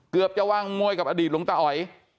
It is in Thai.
เกือบจะวางมวยกับอดีตหลวงตาอ๋อย